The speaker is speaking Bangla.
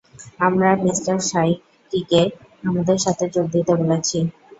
আমরা মিঃ সায়েকিকে আমাদের সাথে যোগ দিতে বলেছি।